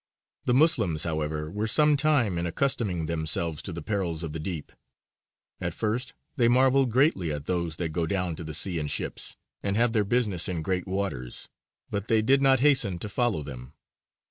The Moslems, however, were some time in accustoming themselves to the perils of the deep. At first they marvelled greatly at "those that go down to the sea in ships, and have their business in great waters," but they did not hasten to follow them.